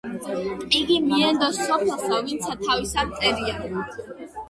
იგი მიენდოს სოფელსა, ვინცა თავისა მტერია.